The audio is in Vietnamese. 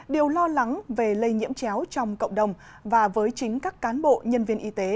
điều lo lắng về lây nhiễm chéo trong cộng đồng và với chính các cán bộ nhân viên y tế